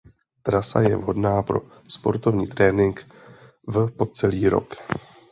Trasa je vhodná pro sportovní trénink v po celý rok.